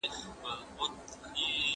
پخوا کتابونه تر نن ورځې لږ چاپېدل.